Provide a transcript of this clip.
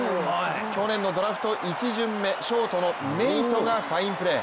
去年のドラフト一巡目ショートのネイトがファインプレー。